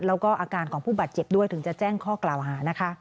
แล้วก็อาการของผู้บาดเจ็บด้วยถึงจะแจ้งข้อกล่าวหานะคะ